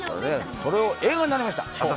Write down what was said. それが映画になりました。